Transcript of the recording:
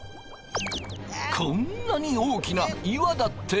こんなに大きな岩だって。